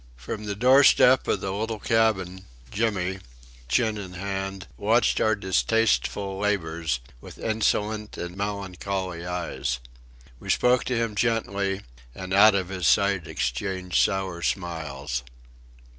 From the doorstep of the little cabin, Jimmy, chin in hand, watched our distasteful labours with insolent and melancholy eyes. We spoke to him gently and out of his sight exchanged sour smiles.